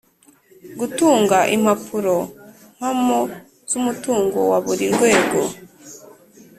Gutunga impapuro mpamo z umutungo wa buri rwego